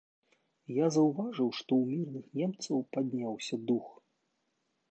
Я заўважыў, што ў мірных немцаў падняўся дух.